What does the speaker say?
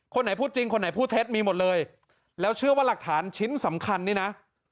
ไหนพูดจริงคนไหนพูดเท็จมีหมดเลยแล้วเชื่อว่าหลักฐานชิ้นสำคัญนี่นะ